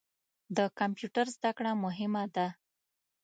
د کمپیوټر زده کړه مهمه ده.